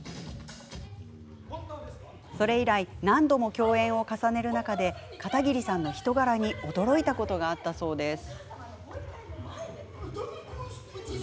それ以来、何度も共演を重ねる中で、片桐さんの人柄に驚いたことがあったそうです。